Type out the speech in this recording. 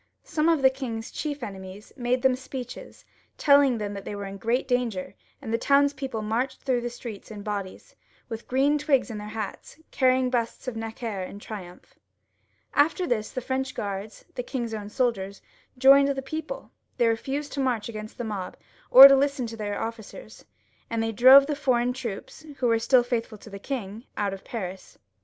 Some of the king's chief enemies made them speeches, telling them they were in great danger, and the townspeople marched through the streets in bodies, with green boughs in their hats, carrying busts of Necker in triumph. After this the French Guards, the king's own soldiers, joined the people ; they refased to march agaiost the mob, or to listen to their ofScers, and they drove the foreign troops, who were still faithful to the king, out of Paris.